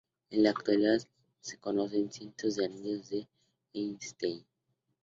En la actualidad se conocen cientos de anillos de Einstein.